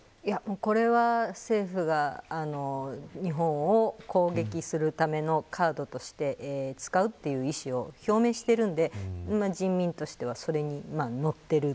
これは政府が日本を攻撃するためのカードとして使うという意思を表明しているので人民としてはそれに乗っている。